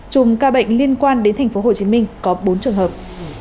chùm ca bệnh liên quan đến tp hcm có bốn trường hợp